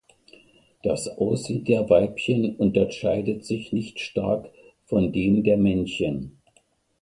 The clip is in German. Das Aussehen der Weibchen unterscheidet sich nicht stark von dem der Männchen.